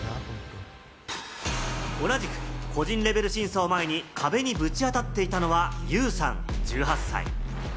同じく個人レベル審査を前に壁にぶち当たっていたのは、ユウさん、１８歳。